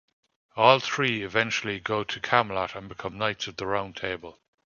All three eventually go to Camelot and become Knights of the Round Table.